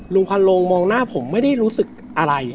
ลุงพันโลงมองหน้าผมไม่ได้รู้สึกอะไร